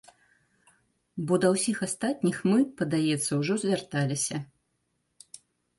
Бо да ўсіх астатніх мы, падаецца, ужо звярталіся.